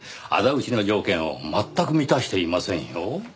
仇討ちの条件を全く満たしていませんよ。